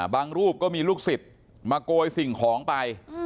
รูปก็มีลูกศิษย์มาโกยสิ่งของไป